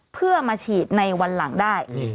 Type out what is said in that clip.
เพื่อมาฉีดในวันหลังได้